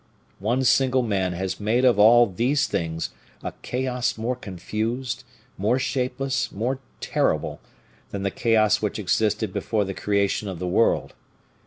One single man has made of all of those things a chaos more confused, more shapeless, more terrible than the chaos which existed before the creation of the world.